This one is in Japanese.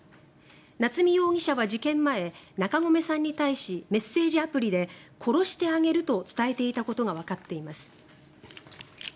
夏見容疑者は事件前中込さんに対しメッセージアプリで殺してあげると伝えていたことがわかっています。